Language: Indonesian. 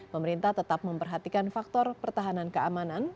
pemerintah tetap memperhatikan faktor pertahanan keamanan